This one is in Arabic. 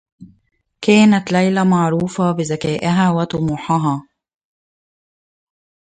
كانت ليلى معروفة بذكائها و طموحها.